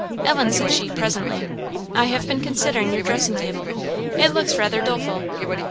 "Ellen," said she, presently, "I have been considering your dressing table. It looks rather doleful.